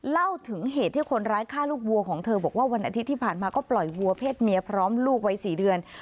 เล่าถึงเหตุที่คนร้ายฆ่าลูกวัวของเธอบอกว่าวันอาทิตย์ที่ผ่านมาก็ปล่อยวัวเพศเมียพร้อมลูกวัย๔เดือน